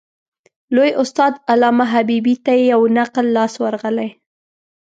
لوی استاد علامه حبیبي ته یو نقل لاس ورغلی.